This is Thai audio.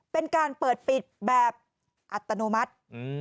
เป็นการเปิดปิดแบบอัตโนมัติ